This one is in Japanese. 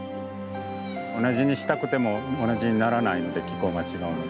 同じにしたくても同じにならないので気候が違うので。